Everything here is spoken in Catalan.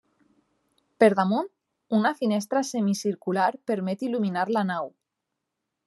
Per damunt, una finestra semicircular permet il·luminar la nau.